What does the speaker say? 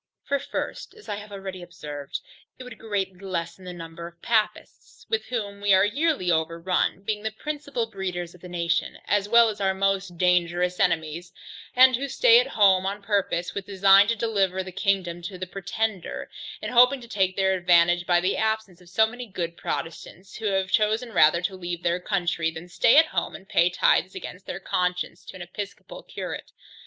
For first, as I have already observed, it would greatly lessen the number of Papists, with whom we are yearly overrun, being the principal breeders of the nation, as well as our most dangerous enemies, and who stay at home on purpose with a design to deliver the kingdom to the Pretender, hoping to take their advantage by the absence of so many good Protestants, who have chosen rather to leave their country, than stay at home and pay tithes against their conscience to an episcopal curate.